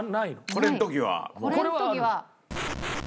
これの時は。